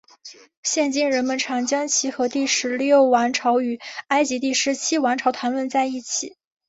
现今人们常将其和第十六王朝与埃及第十七王朝谈论在一起。